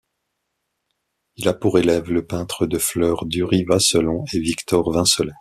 Il a pour élèves le peintre de fleurs Dury-Vasselon et Victor Vincelet.